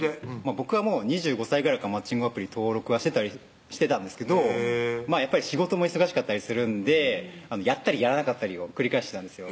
僕は２５歳ぐらいからマッチングアプリ登録はしてたんですけどやっぱり仕事も忙しかったりするんでやったりやらなかったりを繰り返してたんですよ